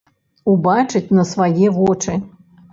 Убачыць на свае вочы.